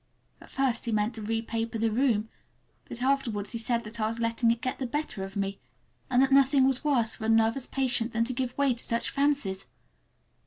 At first he meant to repaper the room, but afterwards he said that I was letting it get the better of me, and that nothing was worse for a nervous patient than to give way to such fancies.